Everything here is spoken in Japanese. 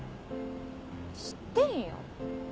知ってんよ。